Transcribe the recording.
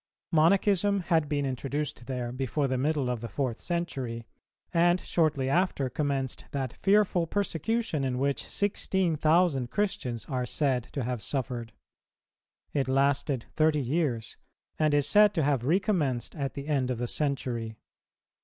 [292:3] Monachism had been introduced there before the middle of the fourth century, and shortly after commenced that fearful persecution in which sixteen thousand Christians are said to have suffered. It lasted thirty years, and is said to have recommenced at the end of the Century.